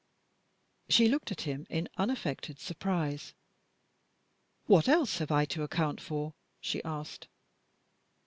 She looked at him in unaffected surprise. "What else have I to account for?" she asked.